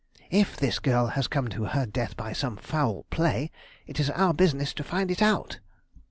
If this girl has come to her death by some foul play, it is our business to find it out."